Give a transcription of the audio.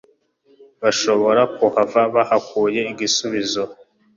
bashobora kuhava bahakuye igisubizo